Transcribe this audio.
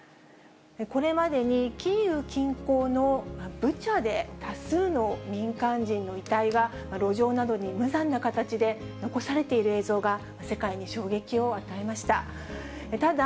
これまでに、キーウ近郊のブチャで多数の民間人の遺体が、路上などに無残な形で残されている映像が、世界に衝撃を与えました。